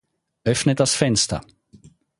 Öffne das Fenster